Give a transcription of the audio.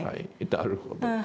なるほど。